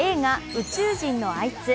「宇宙人とあいつ」。